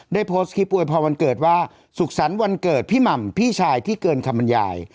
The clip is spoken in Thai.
โพสต์คลิปอวยพรวันเกิดว่าสุขสรรค์วันเกิดพี่หม่ำพี่ชายที่เกินคำบรรยาย